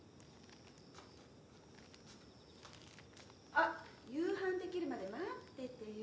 あっ夕飯できるまで待っててよ！